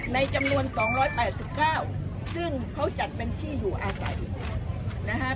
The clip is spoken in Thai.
ในจำนวนสองร้อยแปดสิบเก้าซึ่งเขาจัดเป็นที่อยู่อาศัยนะฮะ